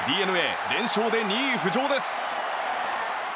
ＤｅＮＡ、連勝で２位浮上です。